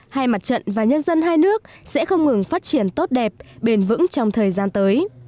hai mặt trận và nhân dân hai nước sẽ không ngừng phát triển tốt đẹp bền vững trong thời gian tới